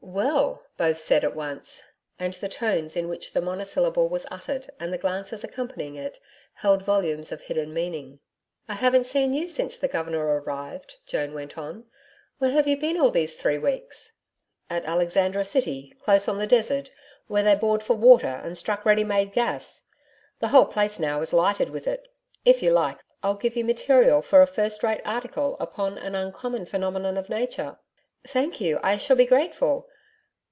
'Well!' both said at once, and the tones in which the monosyllable was uttered and the glances accompanying it held volumes of hidden meaning. 'I haven't seen you since the Governor arrived,' Joan went on. 'Where have you been all these three weeks?' 'At Alexandra City, close on the desert, where they bored for water and struck ready made gas the whole place now is lighted with it. If you like, I'll give you material for a first rate article upon an uncommon phenomenon of Nature.' 'Thank you. I shall be grateful.